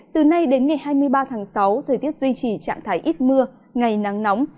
từ nay đến ngày hai mươi ba tháng sáu thời tiết duy trì trạng thái ít mưa ngày nắng nóng